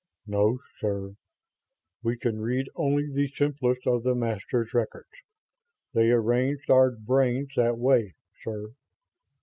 "No, sir. We can read only the simplest of the Masters' records. They arranged our brains that way, sir."